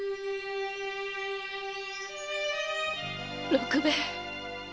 六兵衛